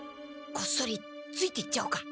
こっそりついていっちゃおうか。